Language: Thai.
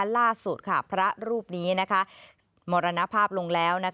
ล่าสุดพระรูปนี้มรณภาพลงแล้ว